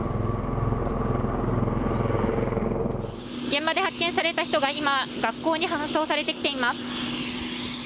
現場で発見された人が今、学校に搬送されてきています。